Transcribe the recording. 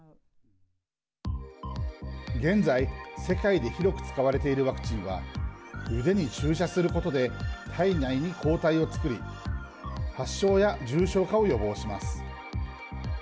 現在、世界で広く使われているワクチンは腕に注射することで体内に抗体をつくり発症や重症化を予防します。